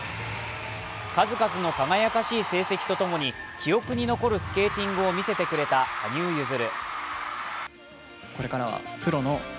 数々の輝かしい成績と共に記憶に残るスケーティングを見せてくれた羽生結弦。